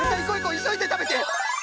いそいでたべて！